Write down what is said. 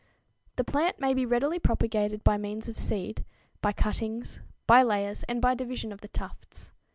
_ The plant may be readily propagated by means of seed, by cuttings, by layers, and by division of the tufts.